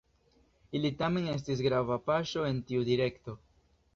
Ili tamen estis grava paŝo en tiu direkto.